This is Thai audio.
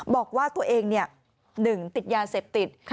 บอกว่าตัวเอง๑ติดยาเสพติด